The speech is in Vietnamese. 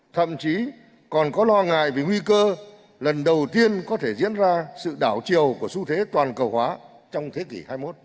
thậm chí còn có lo ngại về nguy cơ lần đầu tiên có thể diễn ra sự đảo chiều của xu thế toàn cầu hóa trong thế kỷ hai mươi một